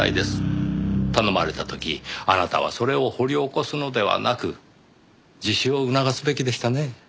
頼まれた時あなたはそれを掘り起こすのではなく自首を促すべきでしたね。